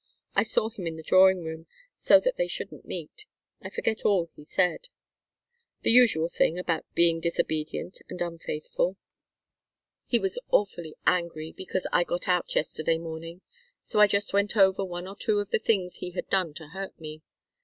I saw him in the drawing room, so that they shouldn't meet. I forget all he said. The usual thing, about being disobedient and undutiful. He was awfully angry because I got out yesterday morning. So I just went over one or two of the things he had done to hurt me.